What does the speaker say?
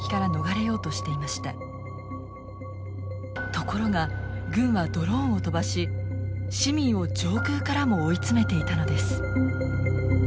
ところが軍はドローンを飛ばし市民を上空からも追い詰めていたのです。